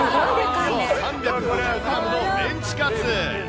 ３５０グラムのメンチカツ。